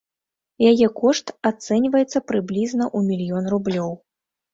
Яе кошт ацэньваецца прыблізна ў мільён рублёў.